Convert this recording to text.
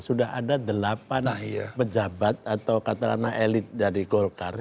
sudah ada delapan pejabat atau katakanlah elit dari golkar